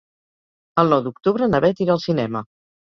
El nou d'octubre na Beth irà al cinema.